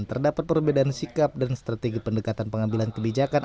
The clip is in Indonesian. terdapat perbedaan sikap dan strategi pendekatan pengambilan kebijakan